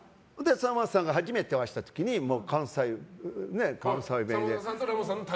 さんまさんに初めてお会いした時に関西弁で。